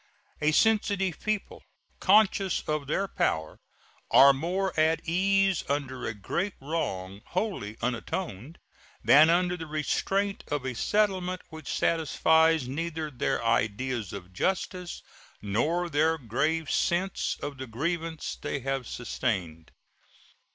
A sensitive people, conscious of their power, are more at ease under a great wrong wholly unatoned than under the restraint of a settlement which satisfies neither their ideas of justice nor their grave sense of the grievance they have sustained.